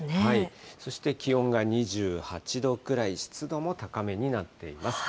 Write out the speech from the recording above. そして気温が２８度くらい、湿度も高めになっています。